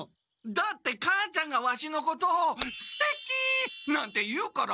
だって母ちゃんがワシのこと「ステキ！」なんて言うから。